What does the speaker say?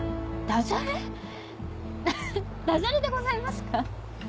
ダジャレでございますか？